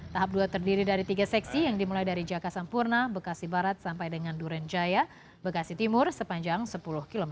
tahap dua terdiri dari tiga seksi yang dimulai dari jaka sampurna bekasi barat sampai dengan durenjaya bekasi timur sepanjang sepuluh km